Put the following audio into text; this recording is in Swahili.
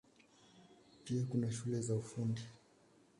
Pia kuna shule za Ufundi.